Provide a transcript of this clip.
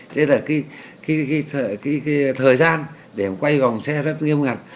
thế là cái thời gian để quay vòng xe rất nghiêm ngặt